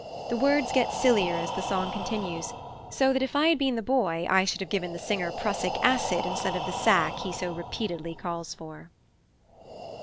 The words get sillier as the song continues, so that if I had been the boy I should have given the singer prussic acid instead of the sack he so repeatedly calls for.